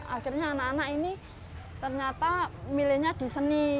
akhirnya anak anak ini ternyata milihnya di seni